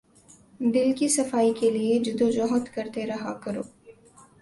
دل کی صفائی کے لیے جد و جہد کرتے رہا کرو۔